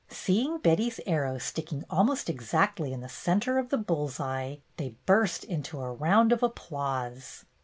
Seeing Betty's arrow sticking almost exactly in the centre of the bull's eye, they burst into a round of applause.